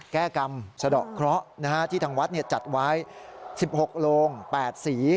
แก้กรรมสะดอกเคราะห์ที่ทางวัดจัดไว้๑๖โลง๘สี